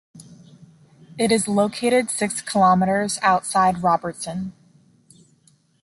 It is located six kilometres outside Robertson.